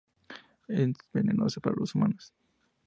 Es venenoso para los humanos.